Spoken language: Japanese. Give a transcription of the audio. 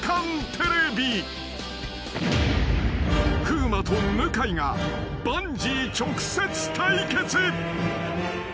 ［風磨と向井がバンジー直接対決］